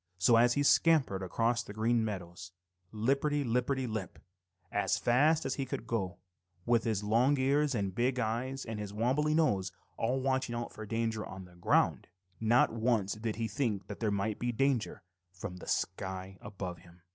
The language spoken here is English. So, as he scampered across the Green Meadows, lipperty lipperty lip, as fast as he could go, with his long ears and his big eyes and his wobbly nose all watching out for danger on the ground, not once did he think that there might be danger from the sky above him.